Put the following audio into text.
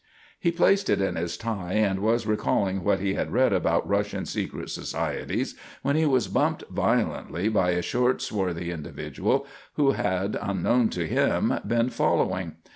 He placed it in his tie and was recalling what he had read about Russian secret societies, when he was bumped violently by a short, swarthy individual who had, unknown to him, been following.